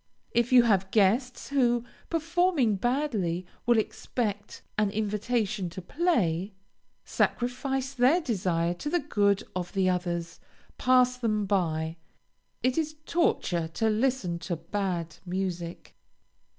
If you have guests who, performing badly, will expect an invitation to play, sacrifice their desire to the good of the others, pass them by. It is torture to listen to bad music.